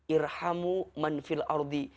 irhamu manfil ardi